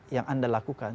yang anda lakukan